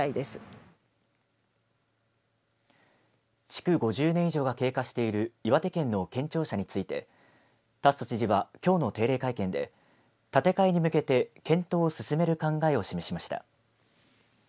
築５０年以上が経過している岩手県の県庁舎について達増知事は、きょうの定例会見で建て替えに向けて検討を進める考えを示しました。